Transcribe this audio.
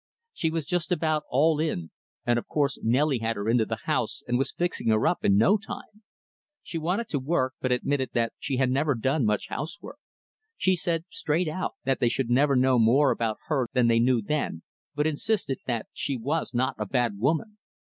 She was just about all in; and, of course, Nelly had her into the house and was fixing her up in no time. She wanted to work, but admitted that she had never done much housework. She said, straight out, that they should never know more about her than they knew, then; but insisted that she was not a bad woman.